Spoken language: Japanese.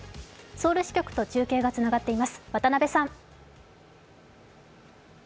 ソウル支局と中継がつながっています。